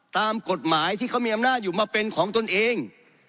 ตามกฎหมายที่เขามีอำนาจอยู่มาเป็นของตนเอง